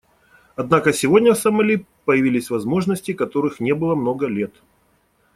Однако сегодня в Сомали появились возможности, которых не было много лет.